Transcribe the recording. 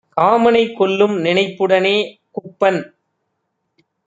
காமனைக் கொல்லும் நினைப்புடனே - குப்பன்